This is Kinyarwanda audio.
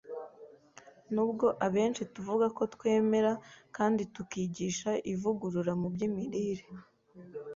Nubwo abenshi tuvuga ko twemera kandi tukigisha ivugurura mu by’imirire